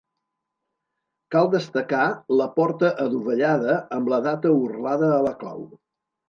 Cal destacar la porta adovellada amb la data orlada a la clau.